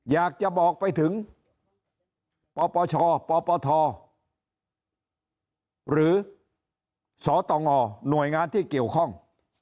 อยากจะบอกไปถึงปปชปปทหรือสตงหน่วยงานที่เกี่ยวข้อง